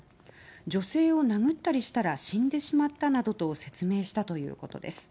女性を殴ったりしたら死んでしまったなどと説明したということです。